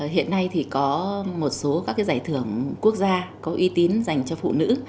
hiện nay thì có một số các giải thưởng quốc gia có uy tín dành cho phụ nữ